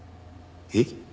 えっ？